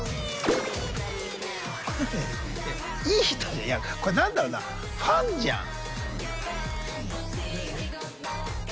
いい人いやこれ何だろうなファンじゃん。